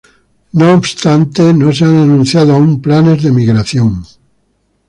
No obstante, no se han anunciado aun planes de migración.